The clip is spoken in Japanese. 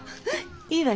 いいわよ。